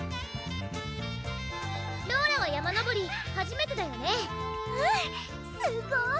ローラは山登りはじめてだよねうんすごい！